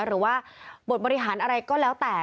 หรือว่าบทบริหารอะไรก็แล้วแต่